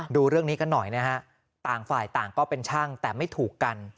ดูเรื่องนี้กันหน่อยนะฮะต่างฝ่ายต่างก็เป็นช่างแต่ไม่ถูกกัน